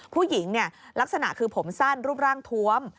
ผู้หญิงลักษณะคือผมสั้นรูปร่างทวม